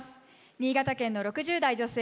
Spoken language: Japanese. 新潟県の６０代・女性